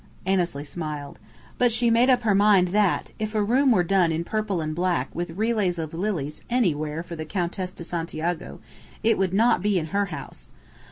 Annesley smiled. But she made up her mind that, if a room were done in purple and black with relays of lilies anywhere for the Countess de Santiago, it would not be in her house.